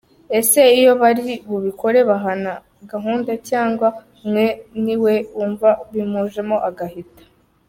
Ese iyo bari bubikore bahana gahunda cyangwa umwe niwe wumva bimujemo agahita?.